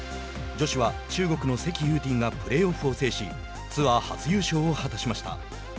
女子は中国のセキ・ユウティンがプレーオフを制しツアー初優勝を果たしました。